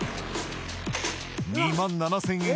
２万７０００円